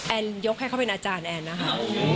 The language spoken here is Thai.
ยกให้เขาเป็นอาจารย์แอนนะคะ